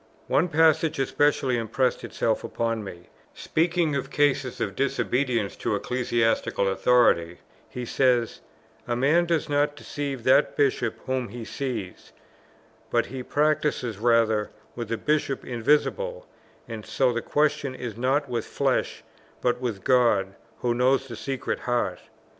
One passage especially impressed itself upon me: speaking of cases of disobedience to ecclesiastical authority, he says, "A man does not deceive that Bishop whom he sees, but he practises rather with the Bishop Invisible, and so the question is not with flesh, but with God, who knows the secret heart."